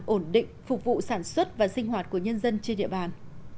ổn định phục vụ sản xuất và sinh hoạt của nhân dân trên địa bàn